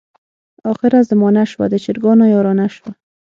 اخره زمانه شوه د چرګانو یارانه شوه.